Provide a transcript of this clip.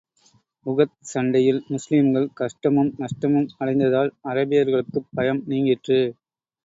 உஹத் சண்டையில் முஸ்லிம்கள் கஷ்டமும், நஷ்டமும் அடைந்ததால், அரேபியர்களுக்குப் பயம் நீங்கிற்று.